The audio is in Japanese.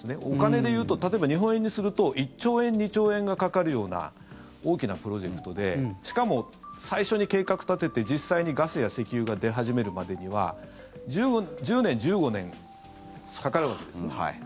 お金でいうと例えば、日本円にすると１兆円、２兆円がかかるような大きなプロジェクトでしかも、最初に計画を立てて実際にガスや石油が出始めるまでには１０年、１５年かかるわけですね。